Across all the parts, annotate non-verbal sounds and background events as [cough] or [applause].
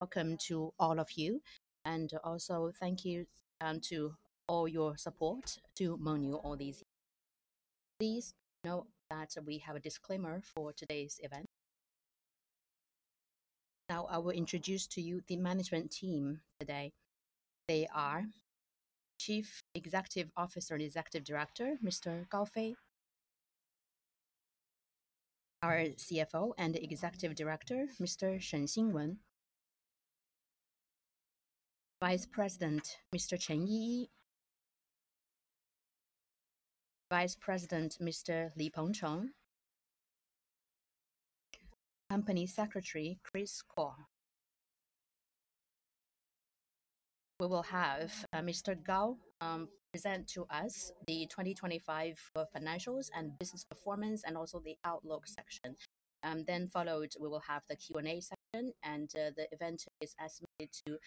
Welcome to all of you, and also thank you for all your support to Mengniu all these years. Please note that we have a disclaimer for today's event. Now, I will introduce to you the management team today. They are Chief Executive Officer and Executive Director, Mr. Gao Fei, our CFO and Executive Director, Mr. Shen Xinwen, Vice President, Mr. Chen Yiyi, Vice President, Mr. Li Pengcheng, Company Secretary, Chris Kwok. We will have Mr. Gao present to us the 2025 financials and business performance and also the outlook section. Then we will have the Q&A session, and the event is estimated to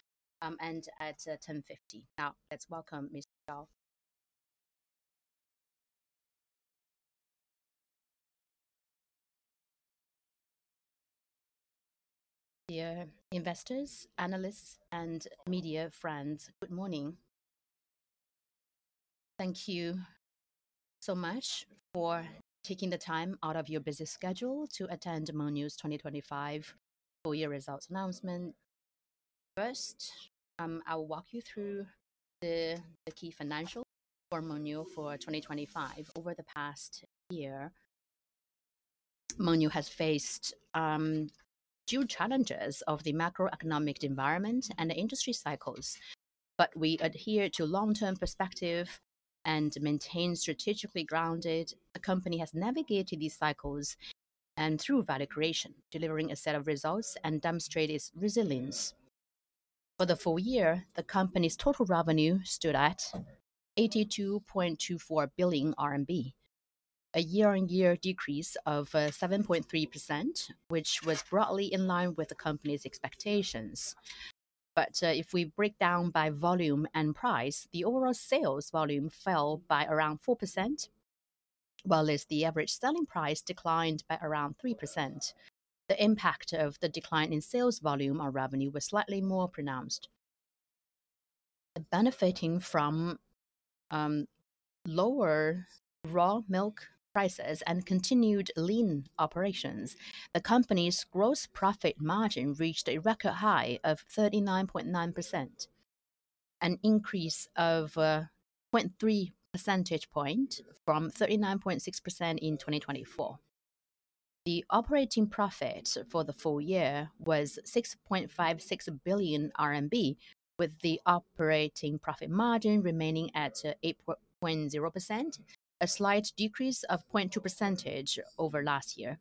end at 10:50 A.M. Now, let's welcome Mr. Gao. Dear investors, analysts, and media friends, good morning. Thank you so much for taking the time out of your busy schedule to attend Mengniu's 2025 full year results announcement. First, I will walk you through the key financials for Mengniu for 2025. Over the past year, Mengniu has faced two challenges of the macroeconomic environment and industry cycles, but we adhere to long-term perspective and maintain strategically grounded. The company has navigated these cycles and through value creation, delivering a set of results that demonstrate its resilience. For the full year, the company's total revenue stood at 82.24 billion RMB, a year-on-year decrease of 7.3%, which was broadly in line with the company's expectations. If we break down by volume and price, the overall sales volume fell by around 4%, while the average selling price declined by around 3%. The impact of the decline in sales volume on revenue was slightly more pronounced. Benefiting from lower raw milk prices and continued lean operations, the company's gross profit margin reached a record high of 39.9%, an increase of 0.3 percentage point from 39.6% in 2024. The operating profit for the full year was 6.56 billion RMB, with the operating profit margin remaining at 8.0%, a slight decrease of 0.2 percentage point over last year.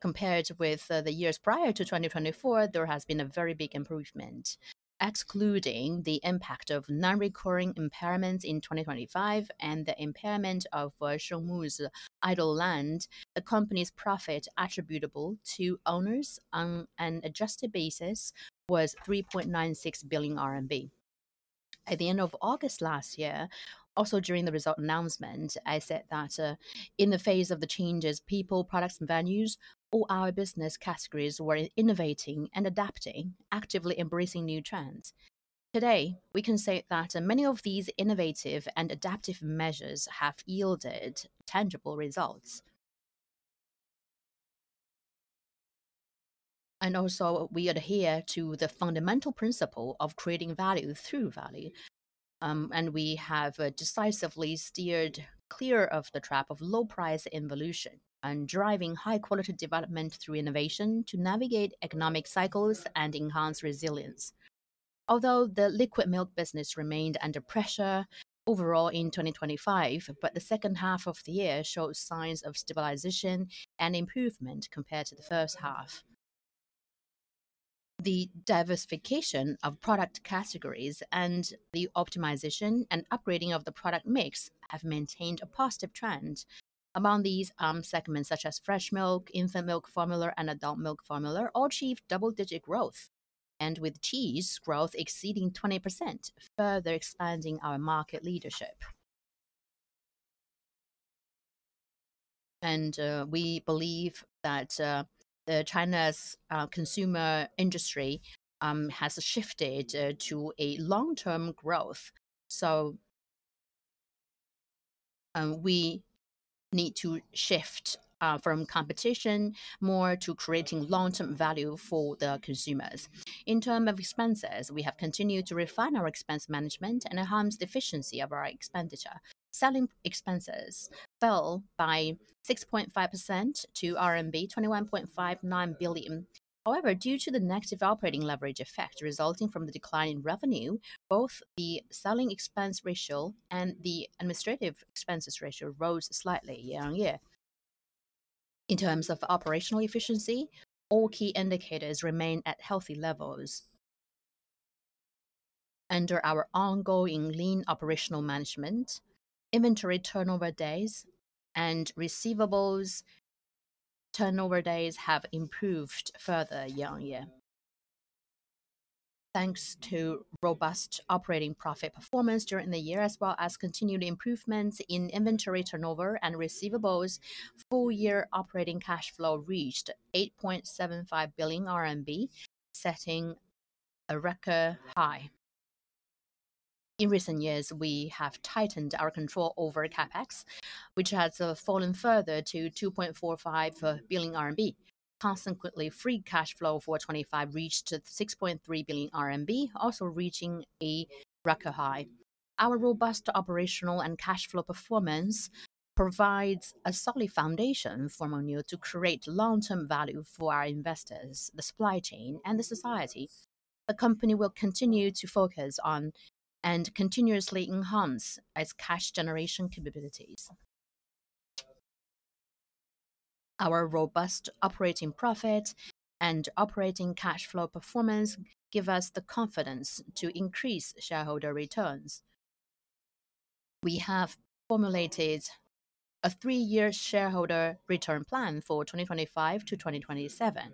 Compared with the years prior to 2024, there has been a very big improvement. Excluding the impact of non-recurring impairments in 2025 and the impairment of [Shengmu's] idle land, the company's profit attributable to owners on an adjusted basis was 3.96 billion RMB. At the end of August last year, also during the result announcement, I said that in the face of the changes, people, products, and values, all our business categories were innovating and adapting, actively embracing new trends. Today, we can say that many of these innovative and adaptive measures have yielded tangible results. Also, we adhere to the fundamental principle of creating value through value. We have decisively steered clear of the trap of low price [involution] and driving high-quality development through innovation to navigate economic cycles and enhance resilience. Although the liquid milk business remained under pressure overall in 2025, but the second half of the year shows signs of stabilization and improvement compared to the first half. The diversification of product categories and the optimization and upgrading of the product mix have maintained a positive trend. Among these, segments such as fresh milk, infant milk formula, and adult milk formula, all achieved double-digit growth. With cheese growth exceeding 20%, further expanding our market leadership. We believe that China's consumer industry has shifted to a long-term growth. We need to shift from competition more to creating long-term value for the consumers. In terms of expenses, we have continued to refine our expense management and enhance the efficiency of our expenditure. Selling expenses fell by 6.5% to RMB 21.59 billion. However, due to the negative operating leverage effect resulting from the decline in revenue, both the selling expense ratio and the administrative expenses ratio rose slightly year-on-year. In terms of operational efficiency, all key indicators remain at healthy levels. Under our ongoing lean operational management, inventory turnover days and receivables turnover days have improved further year-on-year. Thanks to robust operating profit performance during the year, as well as continued improvements in inventory turnover and receivables, full-year operating cash flow reached 8.75 billion RMB, setting a record high. In recent years, we have tightened our control over CapEx, which has fallen further to 2.45 billion RMB. Consequently, free cash flow for 2025 reached 6.3 billion RMB, also reaching a record high. Our robust operational and cash flow performance provides a solid foundation for Mengniu to create long-term value for our investors, the supply chain, and the society. The company will continue to focus on and continuously enhance its cash generation capabilities. Our robust operating profit and operating cash flow performance give us the confidence to increase shareholder returns. We have formulated a three-year shareholder return plan for 2025 to 2027,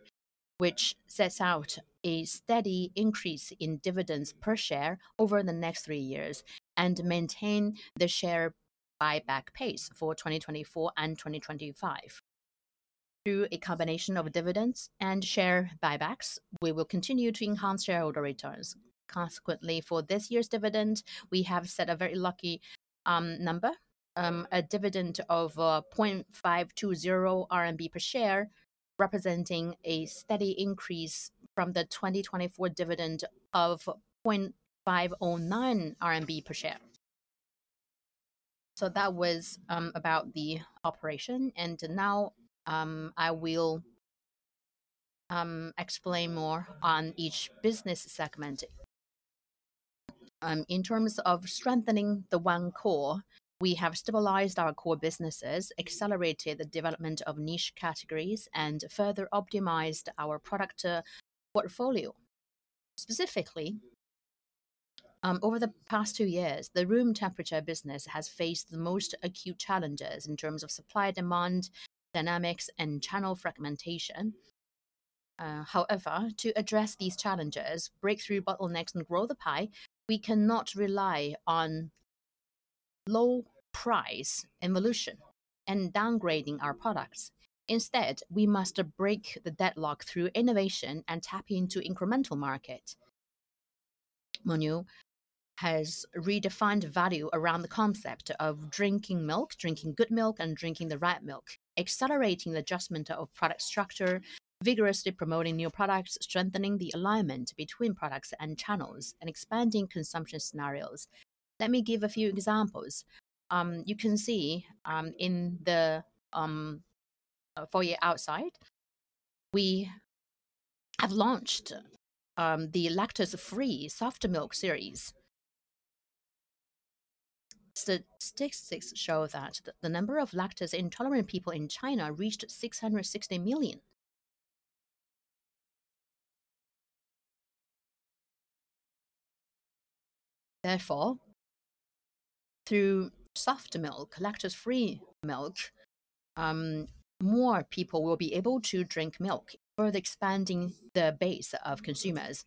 which sets out a steady increase in dividends per share over the next three years and maintain the share buyback pace for 2024 and 2025. Through a combination of dividends and share buybacks, we will continue to enhance shareholder returns. Consequently, for this year's dividend, we have set a very lucky number, a dividend of 0.520 RMB per share, representing a steady increase from the 2024 dividend of 0.509 RMB per share. That was about the operation. Now, I will explain more on each business segment. In terms of strengthening the One Core, we have stabilized our core businesses, accelerated the development of niche categories, and further optimized our product portfolio. Specifically, over the past two years, the room temperature business has faced the most acute challenges in terms of supply-demand dynamics and channel fragmentation. However, to address these challenges, break through bottlenecks and grow the pie, we cannot rely on low-price competition and downgrading our products. Instead, we must break the deadlock through innovation and tap into incremental market. Mengniu has redefined value around the concept of drinking milk, drinking good milk, and drinking the right milk, accelerating the adjustment of product structure, vigorously promoting new products, strengthening the alignment between products and channels, and expanding consumption scenarios. Let me give a few examples. You can see in the foyer outside, we have launched the lactose-free soft milk series. Statistics show that the number of lactose-intolerant people in China reached 660 million. Therefore, through soft milk, lactose-free milk, more people will be able to drink milk, further expanding the base of consumers.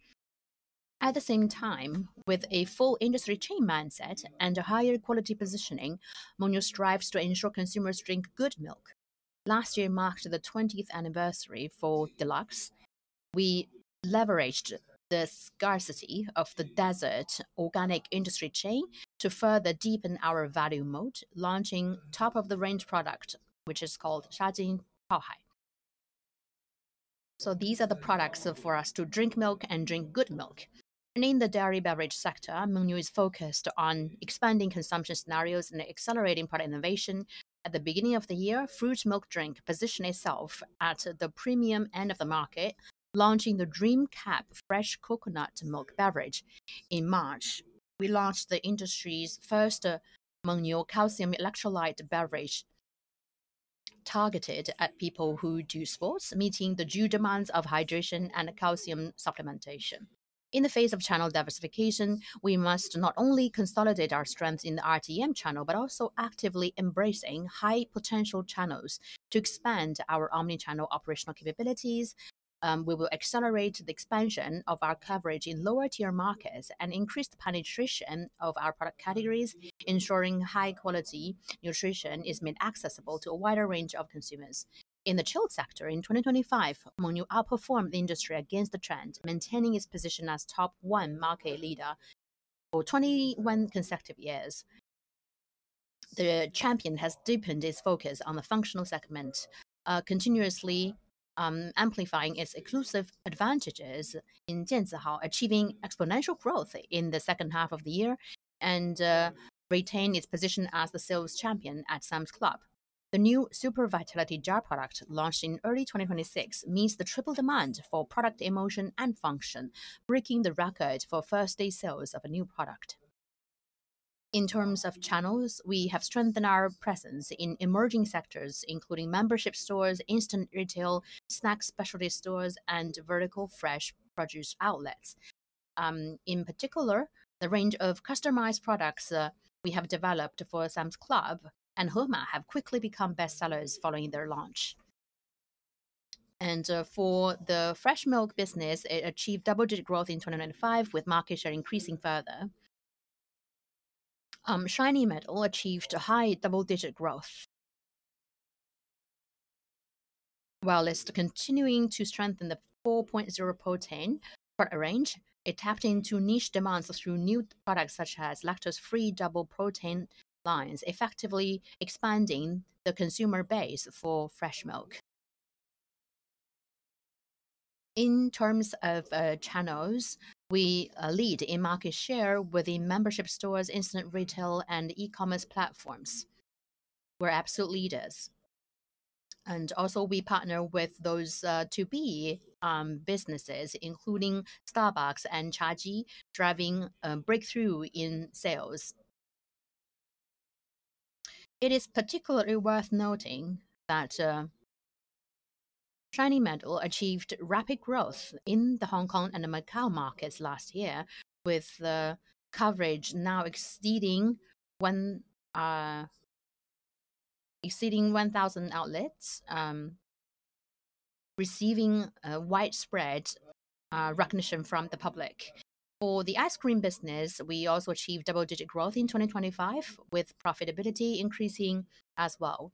At the same time, with a full industry chain mindset and a higher quality positioning, Mengniu strives to ensure consumers drink good milk. Last year marked the 20th anniversary for Deluxe. We leveraged the scarcity of the desert organic industry chain to further deepen our value moat, launching top-of-the-range product, which is called Shajin Tohoi. These are the products for us to drink milk and drink good milk. In the dairy beverage sector, Mengniu is focused on expanding consumption scenarios and accelerating product innovation. At the beginning of the year, fruit milk drink positioned itself at the premium end of the market, launching the DreamCap fresh coconut milk beverage. In March, we launched the industry's first Mengniu calcium electrolyte beverage, targeted at people who do sports, meeting the due demands of hydration and calcium supplementation. In the face of channel diversification, we must not only consolidate our strength in the RTM channel, but also actively embracing high-potential channels to expand our omni-channel operational capabilities. We will accelerate the expansion of our coverage in lower-tier markets and increase the penetration of our product categories, ensuring high-quality nutrition is made accessible to a wider range of consumers. In the chilled sector, in 2025, Mengniu outperformed the industry against the trend, maintaining its position as top one market leader for 21 consecutive years. The Champion has deepened its focus on the functional segment, continuously amplifying its exclusive advantages in Jianzihao, achieving exponential growth in the second half of the year and retained its position as the sales champion at Sam's Club. The new Super Vitality Jar product, launched in early 2026, meets the triple demand for product emotion and function, breaking the record for first-day sales of a new product. In terms of channels, we have strengthened our presence in emerging sectors, including membership stores, instant retail, snack specialty stores, and vertical fresh produce outlets. In particular, the range of customized products we have developed for Sam's Club and Hema have quickly become bestsellers following their launch. For the fresh milk business, it achieved double-digit growth in 2025 with market share increasing further. Shiny Meadow achieved a high double-digit growth. While it's continuing to strengthen the 4.0 protein product range, it tapped into niche demands through new products such as lactose-free double protein lines, effectively expanding the consumer base for fresh milk. In terms of channels, we lead in market share with the membership stores, instant retail, and e-commerce platforms. We're absolute leaders. We also partner with those 2B businesses, including Starbucks and Chagee, driving a breakthrough in sales. It is particularly worth noting that Shiny Meadow achieved rapid growth in the Hong Kong and Macau markets last year with the coverage now exceeding 1,000 outlets, receiving widespread recognition from the public. For the ice cream business, we also achieved double-digit growth in 2025, with profitability increasing as well.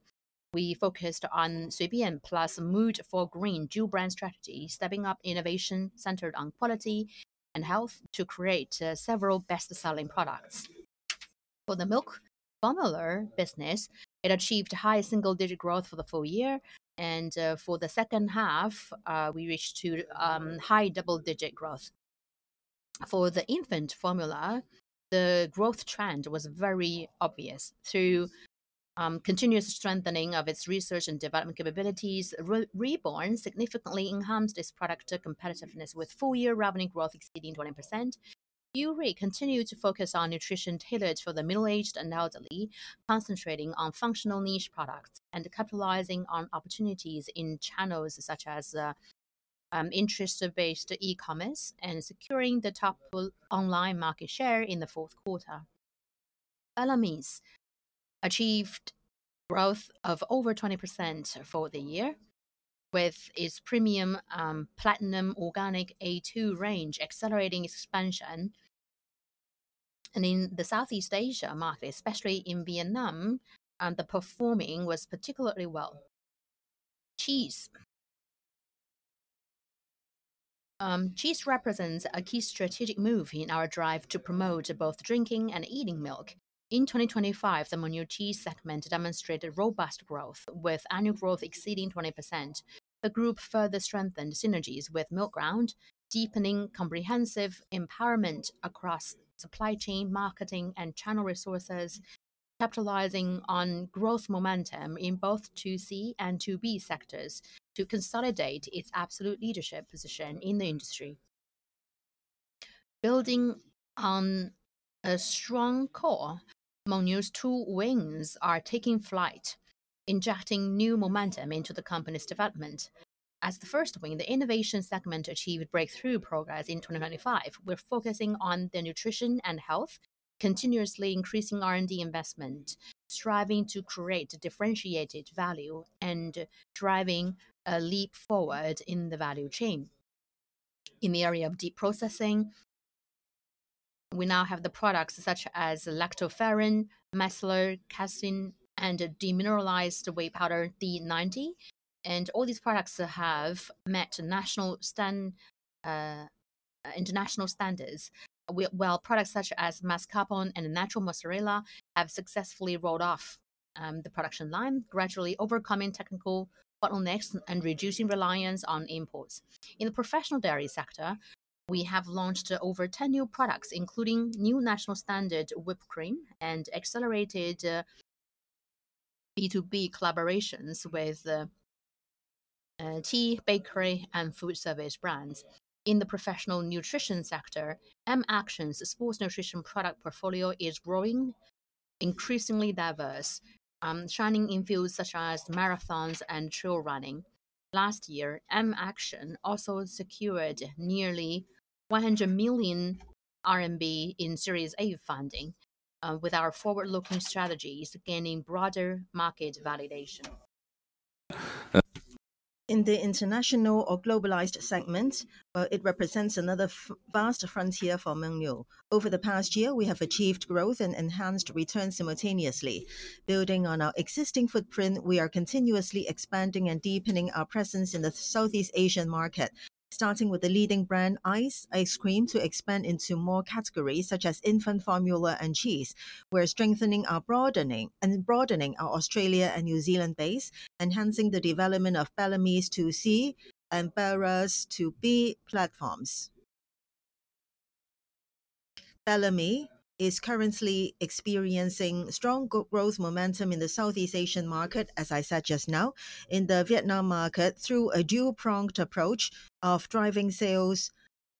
We focused on CBM plus Mood for Green dual brand strategy, stepping up innovation centered on quality and health to create several best-selling products. For the milk formula business, it achieved high single-digit growth for the full year, and for the second half, we reached high double-digit growth. For the infant formula, the growth trend was very obvious. Through continuous strengthening of its research and development capabilities, Reeborne significantly enhanced its product competitiveness with full-year revenue growth exceeding 20%. Yourui continued to focus on nutrition tailored for the middle-aged and elderly, concentrating on functional niche products and capitalizing on opportunities in channels such as interest-based e-commerce and securing the top online market share in the fourth quarter. Bellamy's achieved growth of over 20% for the year, with its premium platinum organic A2 range accelerating expansion. In the Southeast Asia market, especially in Vietnam, the performance was particularly well. Cheese represents a key strategic move in our drive to promote both drinking and eating milk. In 2025, the Mengniu cheese segment demonstrated robust growth, with annual growth exceeding 20%. The group further strengthened synergies with Milkground, deepening comprehensive empowerment across supply chain, marketing, and channel resources, capitalizing on growth momentum in both 2C and 2B sectors to consolidate its absolute leadership position in the industry. Building on a strong core, Mengniu's two wings are taking flight, injecting new momentum into the company's development. As the first wing, the innovation segment achieved breakthrough progress in 2025. We're focusing on the nutrition and health, continuously increasing R&D investment, striving to create differentiated value, and driving a leap forward in the value chain. In the area of deep processing, we now have the products such as lactoferrin, micellar casein, and demineralized whey powder D90. All these products have met national and international standards. While products such as mascarpone and natural mozzarella have successfully rolled off the production line, gradually overcoming technical bottlenecks and reducing reliance on imports. In the professional dairy sector, we have launched over 10 new products, including new national standard whipped cream and accelerated B2B collaborations with tea, bakery, and food service brands. In the professional nutrition sector, M-ACTION's sports nutrition product portfolio is growing, increasingly diverse, shining in fields such as marathons and trail running. Last year, M-ACTION also secured nearly 100 million RMB in Series A funding, with our forward-looking strategies gaining broader market validation. In the international or globalized segment, it represents another vast frontier for Mengniu. Over the past year, we have achieved growth and enhanced returns simultaneously. Building on our existing footprint, we are continuously expanding and deepening our presence in the Southeast Asian market. Starting with the leading brand Aice ice cream to expand into more categories such as infant formula and cheese, we're strengthening and broadening our Australia and New Zealand base, enhancing the development of Bellamy's to 2C and Burra's to 2B platforms. Bellamy is currently experiencing strong growth momentum in the Southeast Asian market, as I said just now. In the Vietnam market, through a dual-pronged approach of driving sales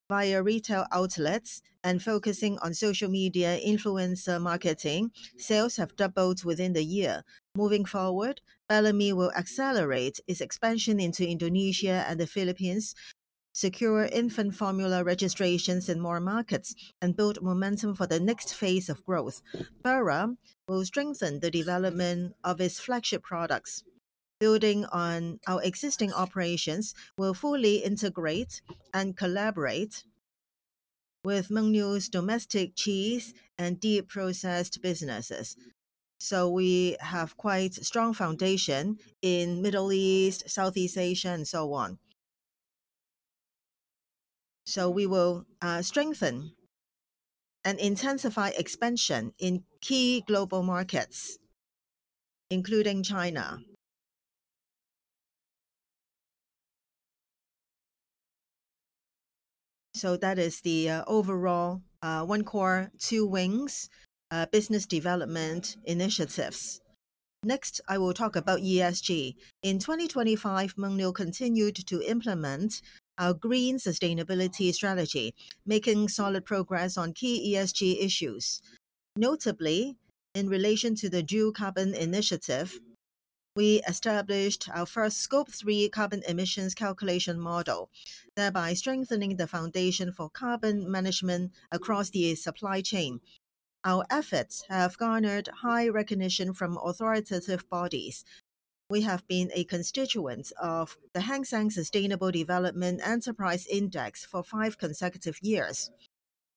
via retail outlets and focusing on social media influencer marketing, sales have doubled within the year. Moving forward, Bellamy will accelerate its expansion into Indonesia and the Philippines, secure infant formula registrations in more markets and build momentum for the next phase of growth. Burra will strengthen the development of its flagship products. Building on our existing operations will fully integrate and collaborate with Mengniu's domestic cheese and deep-processed businesses. We have quite strong foundation in Middle East, Southeast Asia, and so on. We will strengthen and intensify expansion in key global markets, including China. That is the overall One Core, Two Wings business development initiatives. Next, I will talk about ESG. In 2025, Mengniu continued to implement our green sustainability strategy, making solid progress on key ESG issues. Notably, in relation to the Dual Carbon Initiative, we established our first Scope 3 carbon emissions calculation model, thereby strengthening the foundation for carbon management across the supply chain. Our efforts have garnered high recognition from authoritative bodies. We have been a constituent of the Hang Seng Sustainability Index for five consecutive years,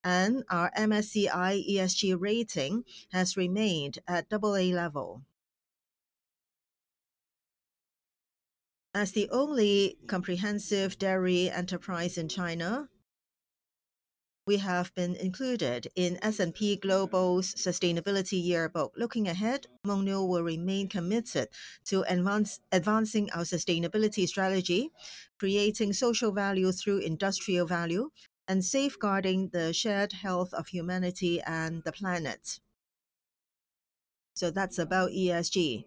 and our MSCI ESG rating has remained at AA level. As the only comprehensive dairy enterprise in China, we have been included in S&P Global's Sustainability Yearbook. Looking ahead, Mengniu will remain committed to advancing our sustainability strategy, creating social value through industrial value, and safeguarding the shared health of humanity and the planet. That's about ESG.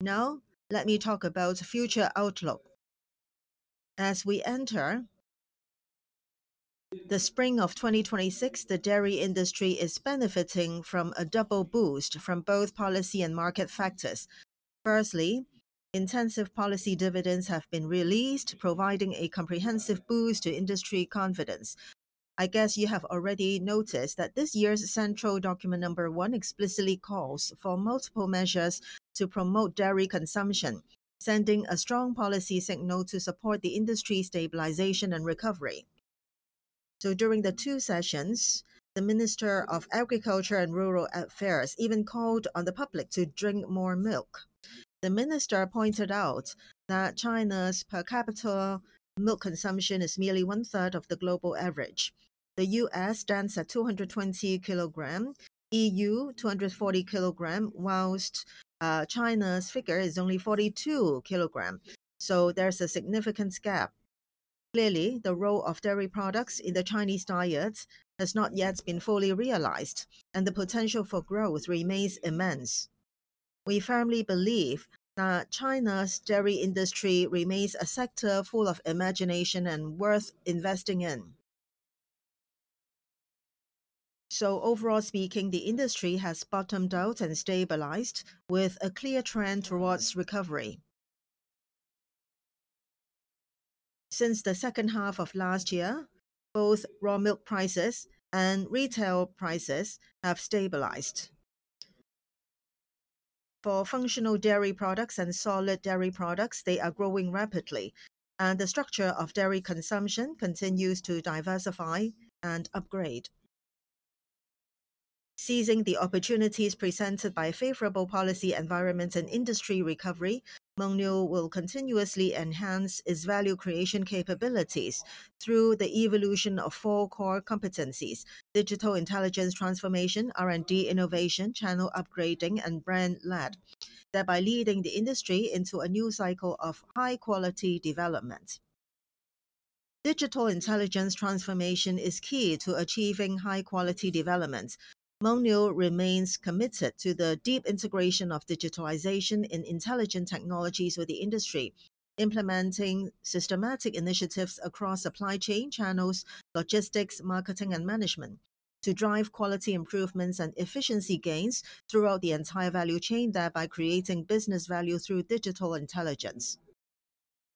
Now, let me talk about future outlook. As we enter the spring of 2026, the dairy industry is benefiting from a double boost from both policy and market factors. Firstly, intensive policy dividends have been released, providing a comprehensive boost to industry confidence. I guess you have already noticed that this year's Central Document No. 1 explicitly calls for multiple measures to promote dairy consumption, sending a strong policy signal to support the industry stabilization and recovery. During the Two Sessions, the Minister of Agriculture and Rural Affairs even called on the public to drink more milk. The minister pointed out that China's per capita milk consumption is merely 1/3 of the global average. The U.S. stands at 220 kg, EU, 240 kg, while China's figure is only 42 kg. There's a significant gap. Clearly, the role of dairy products in the Chinese diets has not yet been fully realized, and the potential for growth remains immense. We firmly believe that China's dairy industry remains a sector full of imagination and worth investing in. Overall speaking, the industry has bottomed out and stabilized with a clear trend towards recovery. Since the second half of last year, both raw milk prices and retail prices have stabilized. For functional dairy products and solid dairy products, they are growing rapidly, and the structure of dairy consumption continues to diversify and upgrade. Seizing the opportunities presented by favorable policy environments and industry recovery, Mengniu will continuously enhance its value creation capabilities through the evolution of four core competencies: digital intelligence transformation, R&D innovation, channel upgrading and brand-led, thereby leading the industry into a new cycle of high-quality development. Digital intelligence transformation is key to achieving high-quality development. Mengniu remains committed to the deep integration of digitalization in intelligent technologies with the industry. Implementing systematic initiatives across supply chain channels, logistics, marketing and management to drive quality improvements and efficiency gains throughout the entire value chain, thereby creating business value through digital intelligence.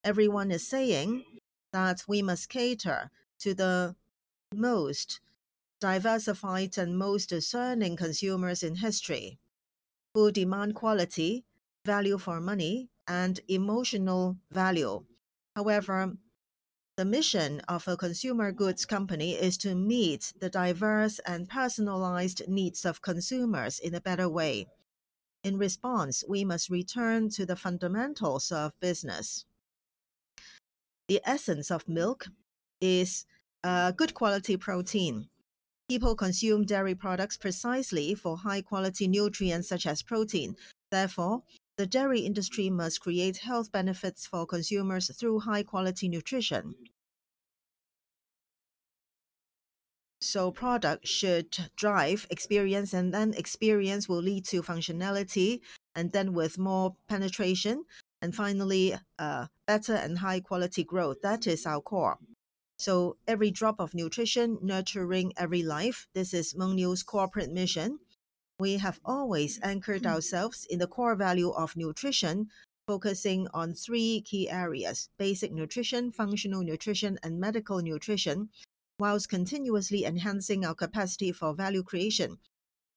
Everyone is saying that we must cater to the most diversified and most discerning consumers in history, who demand quality, value for money and emotional value. However, the mission of a consumer goods company is to meet the diverse and personalized needs of consumers in a better way. In response, we must return to the fundamentals of business. The essence of milk is good-quality protein. People consume dairy products precisely for high-quality nutrients such as protein. Therefore, the dairy industry must create health benefits for consumers through high-quality nutrition. Product should drive experience, and then experience will lead to functionality, and then with more penetration, and finally, better and high-quality growth. That is our core. Every drop of nutrition nurturing every life. This is Mengniu's corporate mission. We have always anchored ourselves in the core value of nutrition, focusing on three key areas, basic nutrition, functional nutrition, and medical nutrition, while continuously enhancing our capacity for value creation.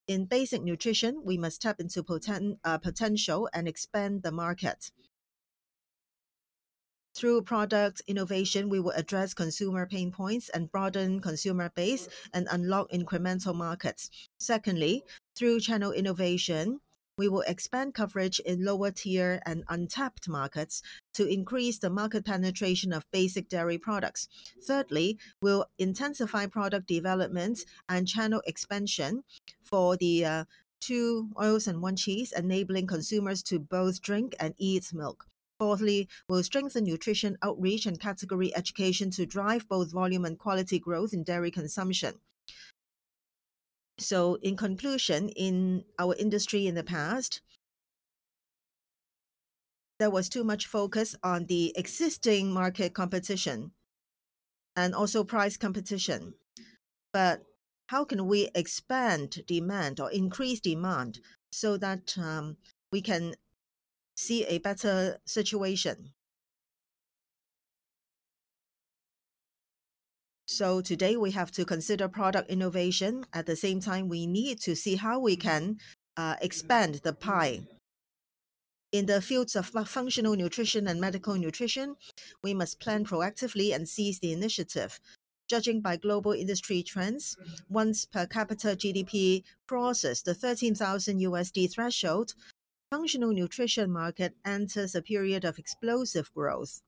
In basic nutrition, we must tap into potential and expand the market. Through product innovation, we will address consumer pain points and broaden consumer base and unlock incremental markets. Secondly, through channel innovation, we will expand coverage in lower tier and untapped markets to increase the market penetration of basic dairy products. Thirdly, we'll intensify product development and channel expansion for the two oils and one cheese enabling consumers to both drink and eat milk. Fourthly, we'll strengthen nutrition outreach and category education to drive both volume and quality growth in dairy consumption. In conclusion, in our industry in the past, there was too much focus on the existing market competition and also price competition. How can we expand demand or increase demand so that we can see a better situation? Today, we have to consider product innovation. At the same time, we need to see how we can expand the pie. In the fields of functional nutrition and medical nutrition, we must plan proactively and seize the initiative. Judging by global industry trends, once per capita GDP crosses the $13,000 threshold, functional nutrition market enters a period of explosive growth.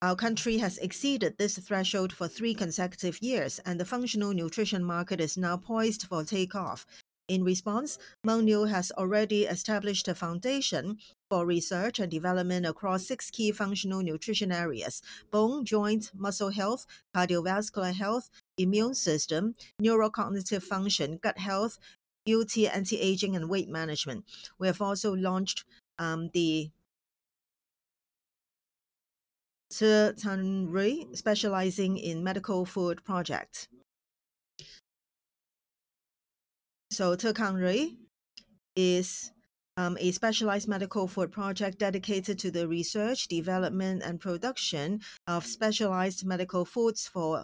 Our country has exceeded this threshold for three consecutive years, and the functional nutrition market is now poised for takeoff. In response, Mengniu has already established a foundation for research and development across six key functional nutrition areas: bone, joints, muscle health, cardiovascular health, immune system, neurocognitive function, gut health, beauty, anti-aging, and weight management. We have also launched the [audio distortion] specialized medical food project dedicated to the research, development, and production of specialized medical foods for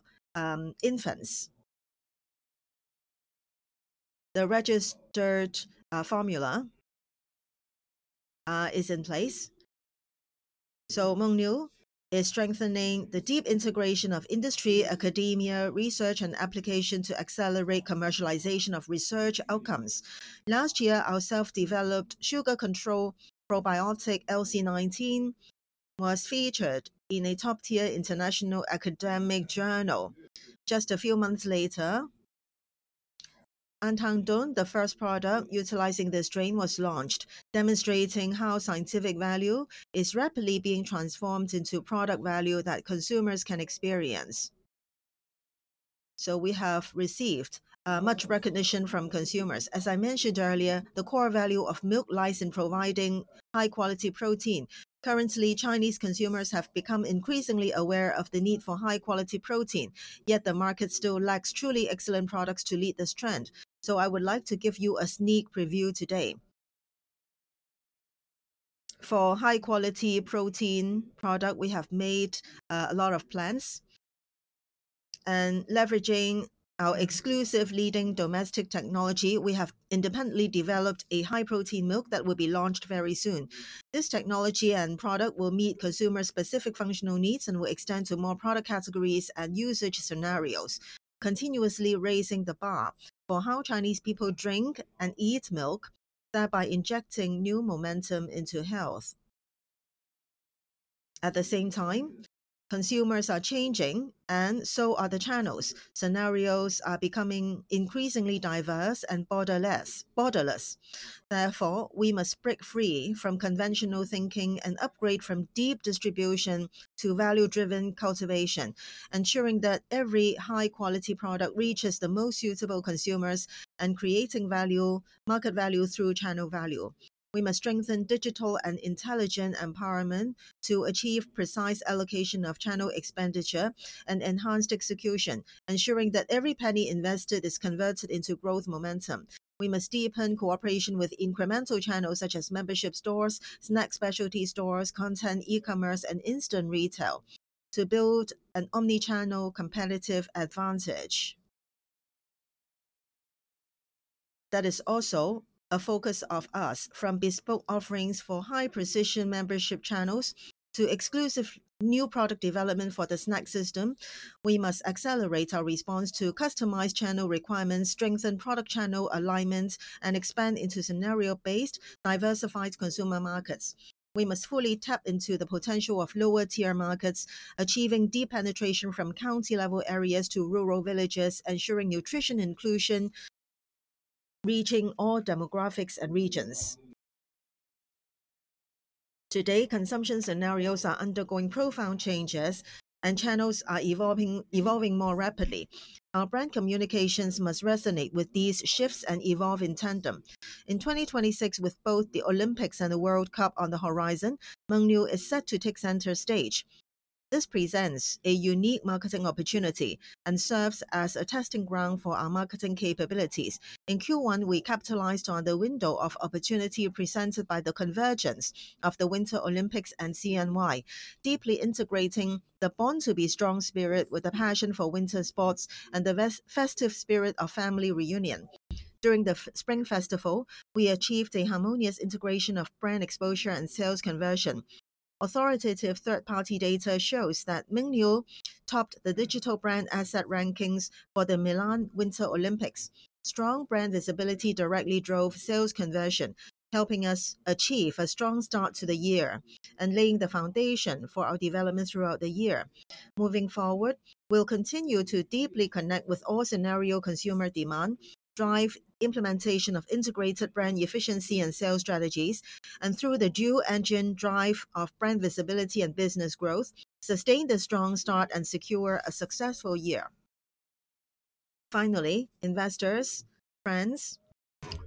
infants. The registered formula is in place. Mengniu is strengthening the deep integration of industry, academia, research, and application to accelerate commercialization of research outcomes. Last year, our self-developed sugar control probiotic Lc19 was featured in a top-tier international academic journal. Just a few months later, [audio distortion] the first product utilizing this strain was launched, demonstrating how scientific value is rapidly being transformed into product value that consumers can experience. We have received much recognition from consumers. As I mentioned earlier, the core value of milk lies in providing high-quality protein. Currently, Chinese consumers have become increasingly aware of the need for high-quality protein, yet the market still lacks truly excellent products to lead this trend, so I would like to give you a sneak preview today. For high-quality protein product, we have made a lot of plans and leveraging our exclusive leading domestic technology, we have independently developed a high-protein milk that will be launched very soon. This technology and product will meet consumer-specific functional needs and will extend to more product categories and usage scenarios, continuously raising the bar for how Chinese people drink and eat milk, thereby injecting new momentum into health. At the same time, consumers are changing and so are the channels. Scenarios are becoming increasingly diverse and borderless. Therefore, we must break free from conventional thinking and upgrade from deep distribution to value-driven cultivation, ensuring that every high-quality product reaches the most suitable consumers and creating value, market value through channel value. We must strengthen digital and intelligent empowerment to achieve precise allocation of channel expenditure and enhanced execution, ensuring that every penny invested is converted into growth momentum. We must deepen cooperation with incremental channels such as membership stores, snack specialty stores, content e-commerce, and instant retail to build an omni-channel competitive advantage. That is also a focus of us. From bespoke offerings for high-precision membership channels to exclusive new product development for the snack system, we must accelerate our response to customized channel requirements, strengthen product channel alignment, and expand into scenario-based, diversified consumer markets. We must fully tap into the potential of lower-tier markets, achieving deep penetration from county-level areas to rural villages, ensuring nutrition inclusion, reaching all demographics and regions. Today, consumption scenarios are undergoing profound changes and channels are evolving more rapidly. Our brand communications must resonate with these shifts and evolve in tandem. In 2026, with both the Olympics and the World Cup on the horizon, Mengniu is set to take center stage. This presents a unique marketing opportunity and serves as a testing ground for our marketing capabilities. In Q1, we capitalized on the window of opportunity presented by the convergence of the Winter Olympics and CNY, deeply integrating the bond to be strong spirit with a passion for winter sports and the festive spirit of family reunion. During the Spring Festival, we achieved a harmonious integration of brand exposure and sales conversion. Authoritative third-party data shows that Mengniu topped the digital brand asset rankings for the Milan Winter Olympics. Strong brand visibility directly drove sales conversion, helping us achieve a strong start to the year and laying the foundation for our development throughout the year. Moving forward, we'll continue to deeply connect with all scenario consumer demand, drive implementation of integrated brand efficiency and sales strategies, and through the dual engine drive of brand visibility and business growth, sustain the strong start and secure a successful year. Finally, investors, friends,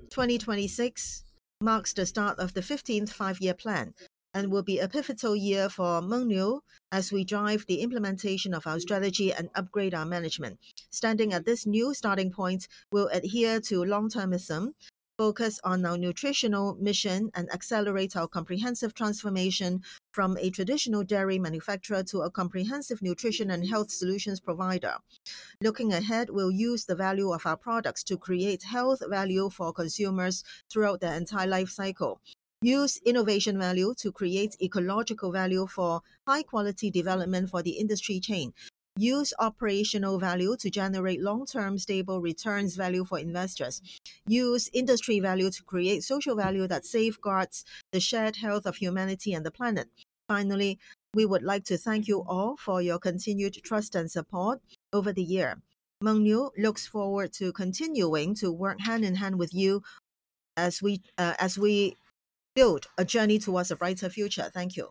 2026 marks the start of the 15th Five-Year Plan and will be a pivotal year for Mengniu as we drive the implementation of our strategy and upgrade our management. Standing at this new starting point, we'll adhere to long-termism, focus on our nutritional mission, and accelerate our comprehensive transformation from a traditional dairy manufacturer to a comprehensive nutrition and health solutions provider. Looking ahead, we'll use the value of our products to create health value for consumers throughout their entire life cycle, use innovation value to create ecological value for high-quality development for the industry chain, use operational value to generate long-term stable returns value for investors, use industry value to create social value that safeguards the shared health of humanity and the planet. Finally, we would like to thank you all for your continued trust and support over the year. Mengniu looks forward to continuing to work hand in hand with you as we build a journey towards a brighter future. Thank you.